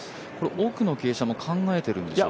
奥の傾斜も考えているんでしょうか？